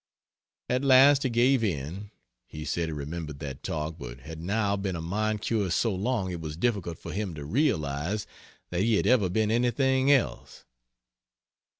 At last he gave in he said he remembered that talk, but had now been a mind curist so long it was difficult for him to realize that he had ever been anything else.